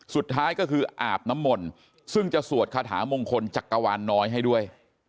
สุดท้ายก็คืออาบน้ำมนต์ซึ่งจะสวดคาถามงคลจักรวาลน้อยให้ด้วย